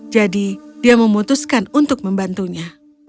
jadi dia memutuskan untuk membantunya